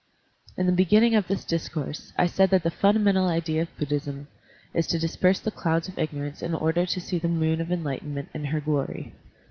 In the beginning of this discourse, I said that the fundamental idea of Buddhism is to disperse the clouds of ignorance in order to see the moon of enlightenment in her glory.